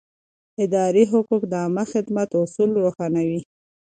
اداري حقوق د عامه خدمت اصول روښانوي.